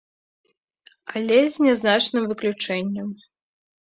Але з нязначным выключэннем.